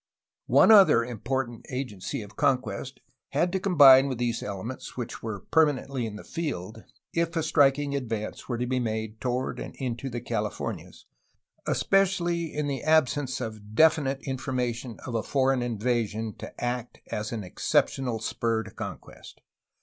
One other important agency of conquest had to combine with these elements which were permanently in the field if a striking advance were to be made toward and into the Calif ornias, especially in the absence of definite information of a foreign invasion to act as an exceptional spur to con quest.